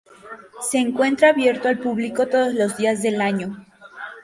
Se encuentra abierto al público todos los días del año.